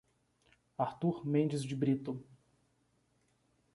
Artur Mendes de Brito